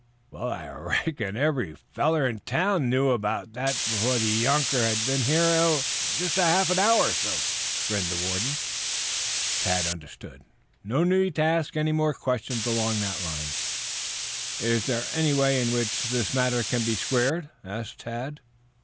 "Well, I reckon every feller in town knew about that before the younker had been here half an hour," grinned the Warden. Tad understood. No need to ask any more questions along that line. "Is there any way in which this matter may be squared?" asked Tad.